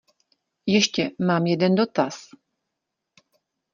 Ještě mám jeden dotaz?